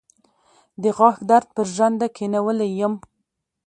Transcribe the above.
د غاښ درد پر ژرنده کېنولی يم.